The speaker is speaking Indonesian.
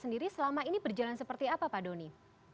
sendiri selama ini berjalan seperti apa pak doni